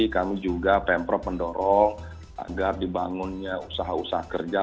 kami juga pemprov mendorong agar dibangunnya usaha usaha kerja